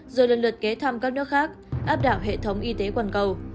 rồi lần lượt ghé thăm các nước khác áp đảo hệ thống y tế quần cầu